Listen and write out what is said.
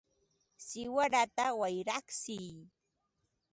¡siwarata wayratsiy!